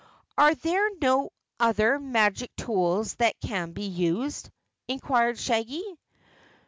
"Are there no other magic tools that can be used?" inquired Shaggy.